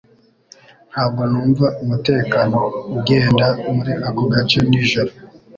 Ntabwo numva umutekano ugenda muri ako gace nijoro